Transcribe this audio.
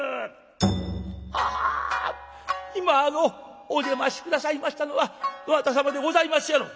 「はは今あのお出まし下さいましたのはどなた様でございますやろ」。